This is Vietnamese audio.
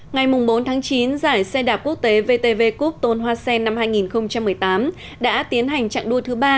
ngày bốn tháng chín giải xe đạp quốc tế vtv cup tôn hoa sen năm hai nghìn một mươi tám đã tiến hành chặng đua thứ ba